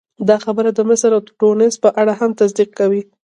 دا خبره د مصر او ټونس په اړه هم صدق کوي.